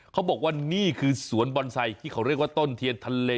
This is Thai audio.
เขาบอกว่านี่คือสวนบอนไซค์ที่เขาเรียกว่าต้นเทียนทะเล